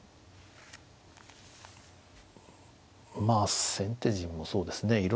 まあ先手陣もそうですね。